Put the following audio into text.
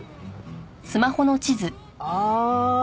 ああ！